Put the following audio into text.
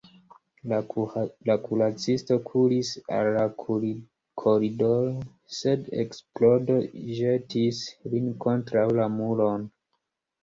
La kuracisto kuris al la koridoro, sed eksplodo ĵetis lin kontraŭ la muron.